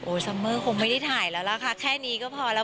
ซัมเมอร์คงไม่ได้ถ่ายแล้วล่ะค่ะแค่นี้ก็พอแล้ว